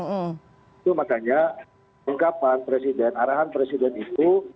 itu makanya ungkapan presiden arahan presiden itu